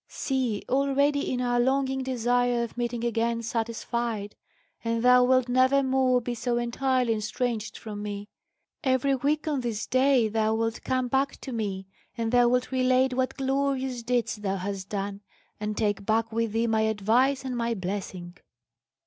See, already is our longing desire of meeting again satisfied, and thou wilt never more be so entirely estranged from me. Every week on this day thou wilt come back to me, and thou wilt relate what glorious deeds thou hast done, and take back with thee my advice and my blessing."